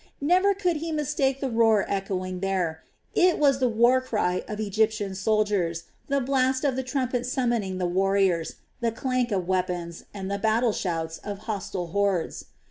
Never could he mistake the roar echoing there; it was the war cry of Egyptian soldiers, the blast of the trumpet summoning the warriors, the clank of weapons, and the battle shouts of hostile hordes.